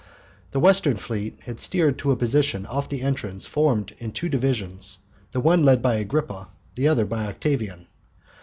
The Western fleet had steered to a position off the entrance formed in two divisions, the one led by Agrippa, the other by Octavian.